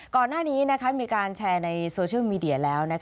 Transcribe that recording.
ก่อนหน้านี้มีการแชร์ในโซเชียลมีเดียแล้ว